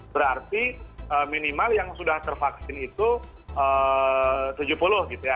berarti minimal yang sudah tervaksin itu tujuh puluh gitu ya